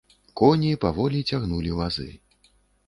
Коні паволі цягнулі вазы.